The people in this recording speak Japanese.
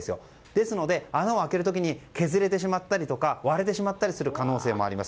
ですので穴を開ける時に削れてしまったり割れてしまったりする可能性もあります。